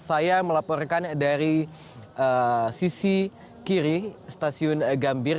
saya melaporkan dari sisi kiri stasiun gambir